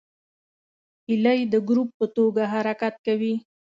هیلۍ د ګروپ په توګه حرکت کوي